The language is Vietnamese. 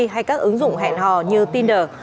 hay các ứng dụng hẹn hò như tinder